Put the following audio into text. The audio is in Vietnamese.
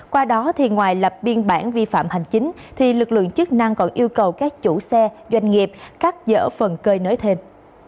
qua đó ngoài lập biên bản vi phạm hành chính thì lực lượng chức năng còn yêu cầu các chủ xe doanh nghiệp cắt dở phần cơi nới thêm